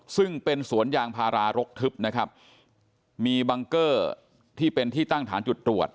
ซึ่งเป็นสวนยางพารารกทึบนะครับมีบังเกอร์ที่เป็นที่ตั้งฐานจุดตรวจ